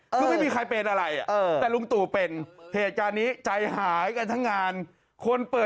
ไม่มีใครเป็นอะไร